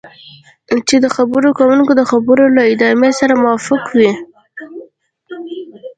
چې د خبرې کوونکي د خبرو له ادامې سره موافق یې.